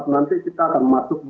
nanti kita akan masuk